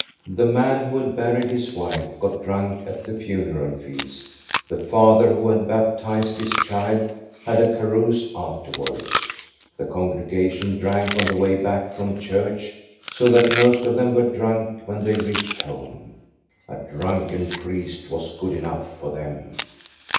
The man who had buried his wife got drunk at the funeral feast; the father who had baptized his child had a carouse afterwards. The congregation drank on the way back from church, so that most of them were drunk when they reached home. A drunken priest was good enough for them.